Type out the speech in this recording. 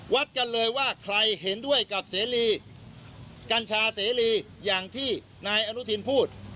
วัดกันเลยว่าใครเห็นด้วยกับเสรีกัญชาเสรีอย่างที่นายอนุทินพูด